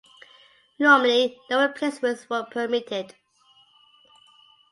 Normally no replacements were permitted.